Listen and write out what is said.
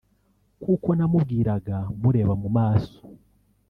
kuko namubwiraga mureba mu maso